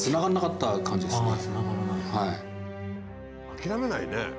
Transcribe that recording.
諦めないねえ。